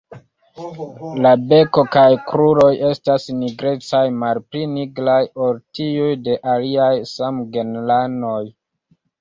La beko kaj kruroj estas nigrecaj, malpli nigraj ol tiuj de aliaj samgenranoj.